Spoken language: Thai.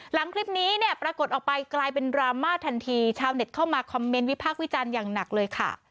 หลังคลิปนี้เนี่ยปรากฏออกไปกลายเป็นดราม่าทันทีชาวเน็ตเข้ามาคอมเมนต์วิพากษ์วิจารณ์อย่างหนักเลยค่ะ